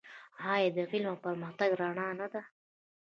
آیا د علم او پرمختګ رڼا نه ده؟